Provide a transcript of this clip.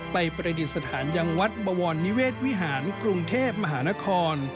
ประดิษฐานยังวัดบวรนิเวศวิหารกรุงเทพมหานคร